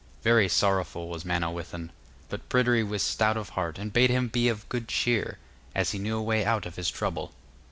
Very sorrowful was Manawyddan, but Pryderi was stout of heart, and bade him be of good cheer, as he knew a way out of his trouble.